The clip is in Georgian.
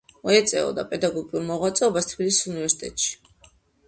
ეწეოდა პედაგოგიურ მოღვაწეობას თბილისის უნივერსიტეტში.